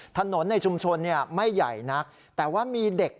ถนนในชุมชนเนี่ยไม่ใหญ่นักแต่ว่ามีเด็ก